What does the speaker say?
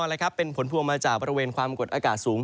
เป็นผลพวงมาจากบริเวณความกดอากาศสูง